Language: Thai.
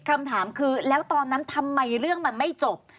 คำถามคือแล้วตอนนั้นทำไมเรื่องมันไม่จบ